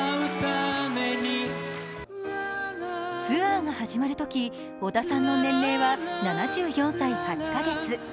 ツアーが始まるとき、小田さんの年齢は７４歳８カ月。